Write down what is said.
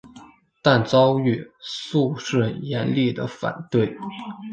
但遭遇肃顺严厉的反对。